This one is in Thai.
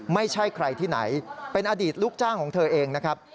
ไม่ใช่ใครที่ไหนเป็นอดีตลูกจ้างของเธอเองนะครับ